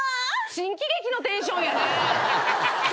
新喜劇のテンションやね。